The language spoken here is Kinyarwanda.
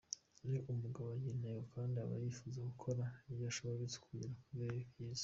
Ni umugabo ugira intego kandi aba yifuza gukora uko ashoboye ngo agere ku byiza.